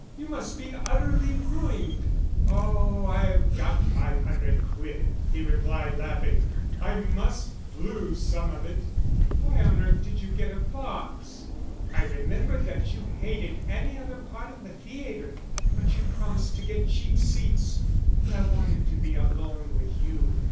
"You must be utterly ruined." "Oh, I've got five hundred quid," he replied, laughing. "I must blue some of it." "But why on earth did you get a box?" "I remembered that you hated any other part of the theatre." "But you promised to get cheap seats." "And I wanted to be alone with you."